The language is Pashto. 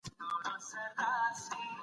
حق ته وفاداري د ایمان نښه ده.